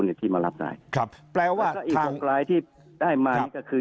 เนี่ยที่มารับรายครับแปลว่าแล้วก็อีกหกรายที่ได้มานี่ก็คือ